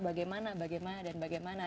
bagaimana bagaimana dan bagaimana